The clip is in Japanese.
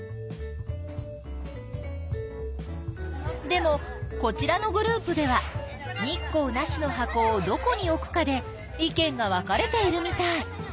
でもこちらのグループでは日光なしの箱をどこに置くかで意見が分かれているみたい。